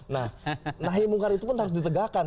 nah nahi mungkar itu pun harus ditegakkan